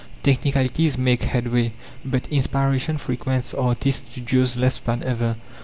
Technicalities make headway, but inspiration frequents artists' studios less than ever.